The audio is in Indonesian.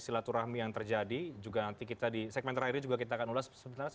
silaturahmi yang terjadi juga nanti kita di segmen terakhir juga kita akan ulas sebenarnya